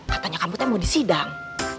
katanya kamu tuh mau di sidang